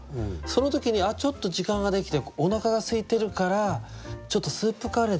その時にちょっと時間ができておなかがすいてるからちょっとスープカレーでも食べようかなっていう。